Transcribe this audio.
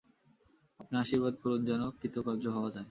আপনি আশীর্বাদ করুন যেন কৃতকার্য হওয়া যায়।